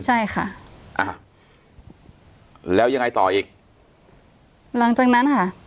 ใช่ค่ะอ่าแล้วยังไงต่ออีกหลังจากนั้นค่ะ